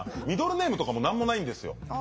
ミドルネームとかも何もないんですよ。